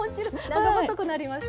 長細くなりました。